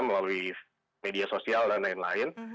melalui media sosial dan lain lain